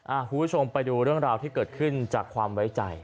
คุณผู้ชมไปดูเรื่องราวที่เกิดขึ้นจากความไว้ใจ